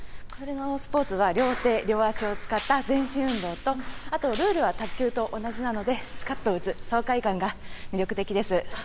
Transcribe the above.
これのスポーツは両手両足を使った全身運動と、あと、ルールは卓球と同じなので、すかっと打つ爽快感が魅力的です。